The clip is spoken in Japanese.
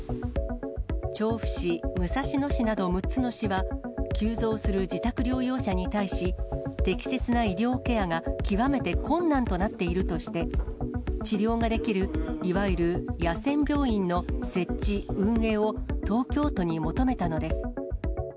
調布市、武蔵野市など６つの市は、急増する自宅療養者に対し、適切な医療ケアが極めて困難となっているとして、治療ができるいわゆる野戦病院の設置・運営を、東京都に求めたのです。